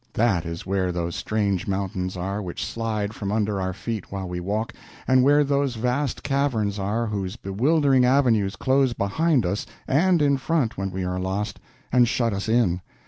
That is where those strange mountains are which slide from under our feet while we walk, and where those vast caverns are whose bewildering avenues close behind us and in front when we are lost, and shut us in.